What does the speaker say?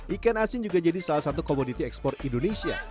ikan asin juga jadi salah satu komoditi ekspor indonesia